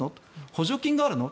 補助金があるの？